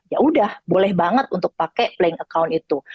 ya udah boleh banget untuk pakai playing account itu